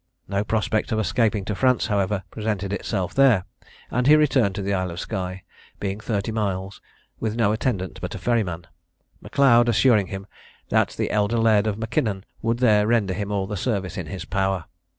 No prospect of escaping to France, however, presented itself there, and he returned to the Isle of Skye, being thirty miles, with no attendant but a ferryman, M'Leod assuring him that the elder Laird of Mackinnon would there render him all the service in his power.